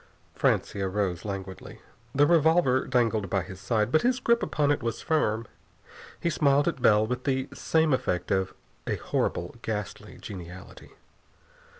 Francia rose languidly. The revolver dangled by his side, but his grip upon it was firm. He smiled at Bell with the same effect of a horrible, ghastly geniality.